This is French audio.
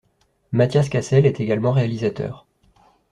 Mathias Cassel est également réalisateur.